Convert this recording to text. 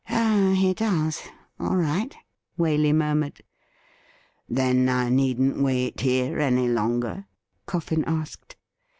' Oh, he does ; all right,' Waley murmured. ' Then I needn't wait here any longer .?' Coffin asked.